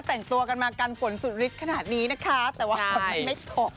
แต่งตัวกันมากันฝนสุดฤทธิ์ขนาดนี้นะคะแต่ว่าฝนมันไม่ตก